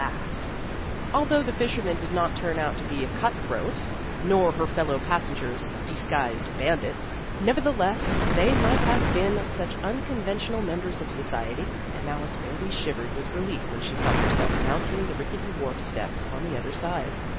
4 Vassar Studies Although the fisherman did not turn out to be a cut throat, 'nor her fellow pas sengers disguised bandits, nevertheless they might have been such unconventional members of society, and Alice fairly shiv ered with relief when she felt herself mounting the rickety wharf steps on the other side.